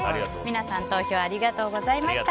皆さん投票ありがとうございました。